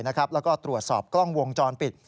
แล้วก็ตรวจสอบกล้องวงจรปิด